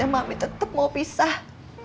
mami tetap mau pisah